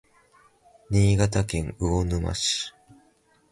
新潟県魚沼市